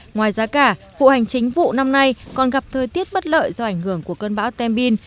ngoài giá cả vụ hành chính vụ năm nay còn gặp thời tiết bất lợi do ảnh hưởng của cơn bão tem bin